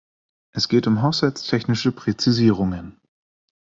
Es geht um haushaltstechnische Präzisierungen.